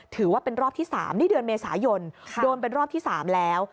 ถือว่าเป็นรอบที่๓นี่เดือนเมษายนโดนเป็นรอบที่๓แล้ว